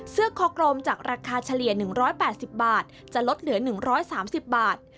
คอกรมจากราคาเฉลี่ย๑๘๐บาทจะลดเหลือ๑๓๐บาท